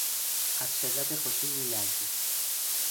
از شدت خوشی میلرزید.